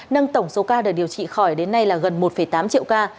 nâng tổng số ca được điều trị khỏi đến nay là gần một tám triệu ca